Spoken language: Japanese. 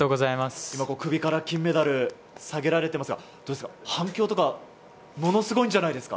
首から金メダルさげられていますがどうですか、反響とかものすごいんじゃないんですか。